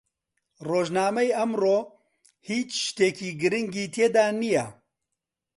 ڕۆژنامەی ئەمڕۆ هیچ شتێکی گرنگی تێدا نییە.